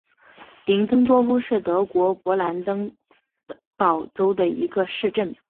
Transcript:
林登多夫是德国勃兰登堡州的一个市镇。